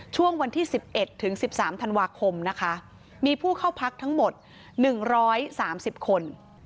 ช่วงวันที่๑๑ถึง๑๓ธันวาคมนะคะมีผู้เข้าพักทั้งหมด๑๓๐คน